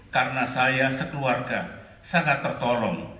karena saya sekeluarga sangat tertolong